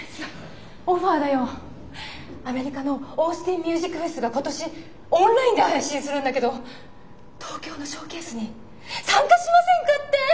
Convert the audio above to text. アメリカのオースティンミュージックフェスが今年オンラインで配信するんだけど東京のショーケースに参加しませんかって！